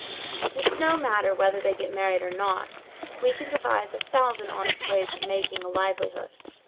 But it's no matter whether they get married or not: we can devise a thousand honest ways of making a livelihood.